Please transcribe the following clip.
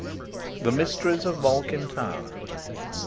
THE MYSTERIES OF MALKIN TOWER.